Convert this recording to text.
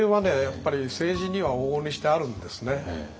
やっぱり政治には往々にしてあるんですね。